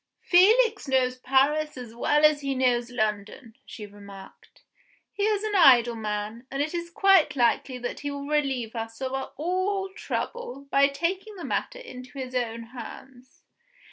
"Felix knows Paris as well as he knows London," she remarked. "He is an idle man, and it is quite likely that he will relieve us of all trouble by taking the matter into his own hands.